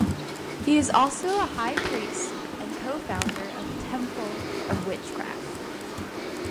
He is also a high priest and co-founder of Temple of Witchcraft.